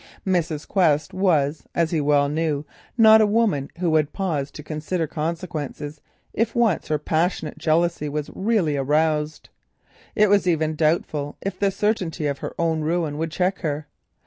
Mrs. Quest was, as he well knew, not a woman who would pause to consider consequences if once her passionate jealousy were really aroused. It was even doubtful if the certainty of her own ruin would check her.